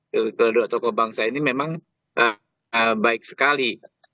jadi kalau dua tokoh bangsa ini memang baik sekali